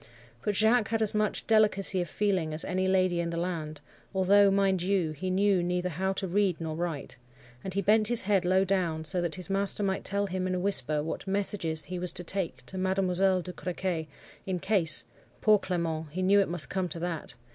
But Jacques had as much delicacy of feeling as any lady in the land, although, mind you, he knew neither how to read nor write,—and bent his head low down, so that his master might tell him in a whisper what messages he was to take to Mademoiselle de Crequy, in case—Poor Clement, he knew it must come to that!